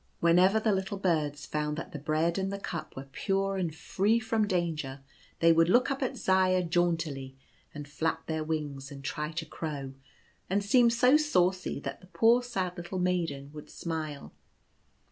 Whenever the little birds found that the bread and the cup were pure and free from danger, they would look up at Zaya jauntily, and flap their wings and try to crow, and seemed so saucy that the poor sad little maiden would smile.